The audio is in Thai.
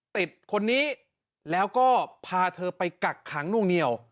ติดคนนี้แล้วก็พาเธอไปกักขังนวงเหนียว